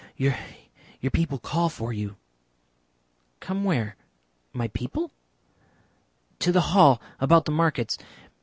"Your people call for you." "Come where? My people?" "To the hall about the markets.